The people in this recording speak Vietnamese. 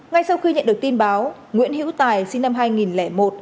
ngay sau khi nhận được tin báo nguyễn hữu tài sinh năm hai nghìn một